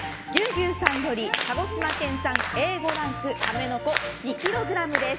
牛さんより鹿児島県産Ａ５ランクカメノコ、２ｋｇです。